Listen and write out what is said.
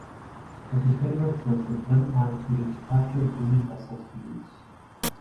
The Confederates wasted little time putting the captured Union vessels to use.